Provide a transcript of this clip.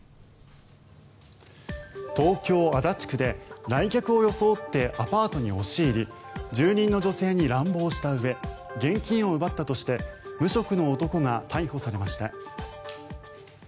東京・足立区で来客を装ってアパートに押し入り住人の女性に乱暴したうえ現金を奪ったとして無職の男が逮捕されました。